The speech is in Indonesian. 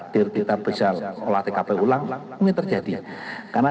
diripita besarlah oratix ulang mewith zarch mitra jadi karena